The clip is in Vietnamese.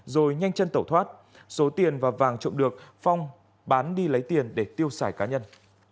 rồi nhanh chân tẩu thoát số tiền và vàng trộm được phong bán đi lấy tiền để tiêu xài cá nhân